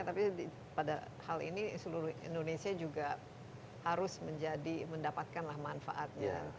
tapi pada hal ini seluruh indonesia juga harus menjadi mendapatkanlah manfaatnya